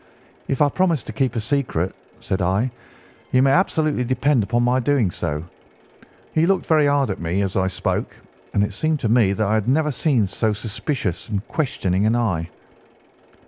"'If I promise to keep a secret,' said I, 'you may absolutely depend upon my doing so.' "He looked very hard at me as I spoke, and it seemed to me that I had never seen so suspicious and questioning an eye.